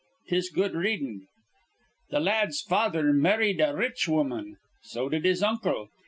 'Tis good readin'. "Th' la ad's father marrid a rich woman. So did his uncle.